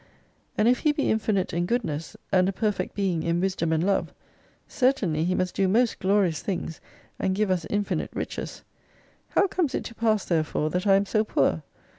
And if He be infinite in Goodness, and a per fect Being in Wisdom and Love, certainly He must do most glorious things, and give us infinite riches ; how comes it to pass therefore that I am so poor?